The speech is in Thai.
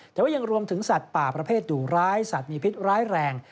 แต่ว่ายังรวมถึงสัตว์ป่าประเภทดุร้ายสัตว์มีพิษร้ายแรง